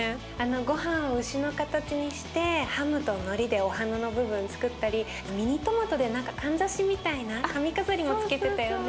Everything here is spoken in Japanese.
ごはんを牛の形にしてハムとのりでお鼻の部分つくったりミニトマトで何かかんざしみたいな髪飾りもつけてたよね。